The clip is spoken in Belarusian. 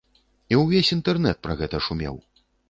І ўвесь інтэрнэт пра гэта шумеў.